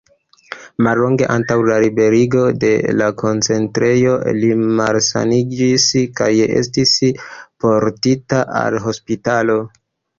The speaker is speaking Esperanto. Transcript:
Mallonge antaŭ la liberigo de la koncentrejo, li malsaniĝis kaj estis portita al hospitalo.